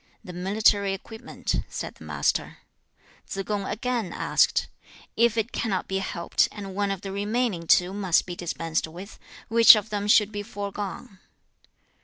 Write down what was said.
'The military equipment,' said the Master. 3. Tsze kung again asked, 'If it cannot be helped, and one of the remaining two must be dispensed with, which of them should be foregone?'